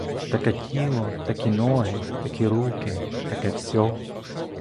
Таке тіло, такі ноги, такі руки, таке всьо.